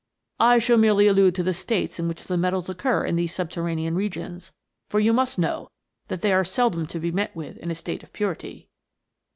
I shall merely allude to the states in which the metals occur in these sub terranean regions, for you must know that they are seldom to be met with in a state of purity."